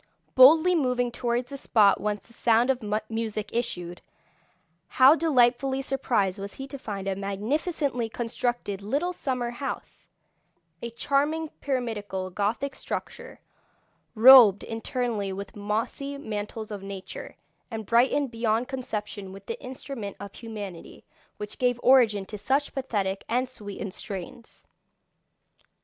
Boldly moving towards the spot whence the sound of music issued, how delightfully surprised was he to find a magnificently constructed little summer house, a charming pyramidal Gothic structure, robed internally with mossy mantles of nature, and brightened beyond conception with the instrument of humanity which gave origin to such pathetic and sweetened strains.